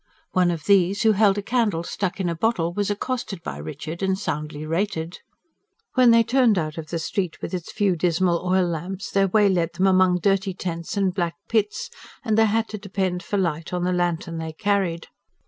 One of these, who held a candle stuck in a bottle, was accosted by Richard and soundly rated. When they turned out of the street with its few dismal oil lamps, their way led them among dirty tents and black pits, and they had to depend for light on the lantern they carried.